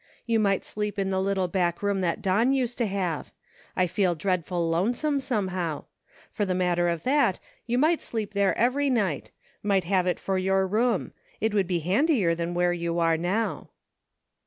" You might sleep in the little back room that Don used to have ; I feel dreadful lonesome, somehow. For the matter of that, you might sleep there every night ; might have it for your room ; it would be handier than where you are now."